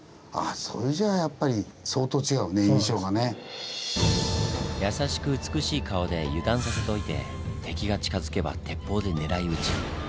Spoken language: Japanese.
それじゃあやっぱり優しく美しい顔で油断させといて敵が近づけば鉄砲で狙い撃ち。